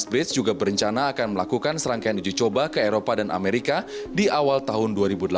bridge juga berencana akan melakukan serangkaian uji coba ke eropa dan amerika di awal tahun dua ribu delapan belas